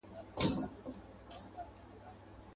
پېړۍ قرنونه کیږي.